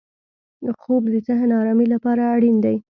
خوب د ذهن ارامۍ لپاره اړین دی